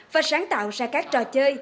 và sáng tạo ra các trò chơi